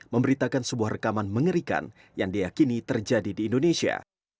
memberitakan sebuah rekaman mengerikan yang diakini terjadi di indonesia